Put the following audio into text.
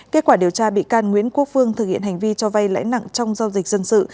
kết quả điều tra bị can nguyễn quốc phương thực hiện hành vi cho vay lãi nặng trong giao dịch dân sự